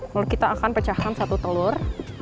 lalu kita akan pecahkan satu telur